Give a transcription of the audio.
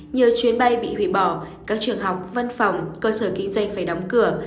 nhiều chuyến bay bị hủy bỏ các trường học văn phòng cơ sở kinh doanh phải đóng cửa